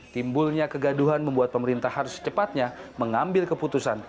timbulnya kegaduhan membuat pemerintah harus secepatnya mengambil keputusan